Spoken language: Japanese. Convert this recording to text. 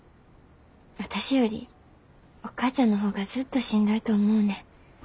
私よりお母ちゃんの方がずっとしんどいと思うねん。